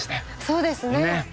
そうですね。